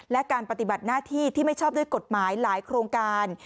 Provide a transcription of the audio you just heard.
และการปฏิบัติหน้าที่ที่ไม่ชอบด้วยกฎหมายหลายโครงการ